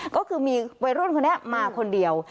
ก็คือมีวัยรุ่นคนนี้มาคนเดียว